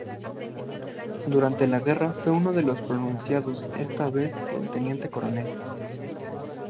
Durante la guerra fue de nuevo promocionado, esta vez a Teniente-Coronel.